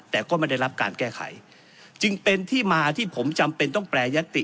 แต่ก็ไม่ได้รับการแก้ไขจึงเป็นที่มาที่ผมจำเป็นต้องแปรยติ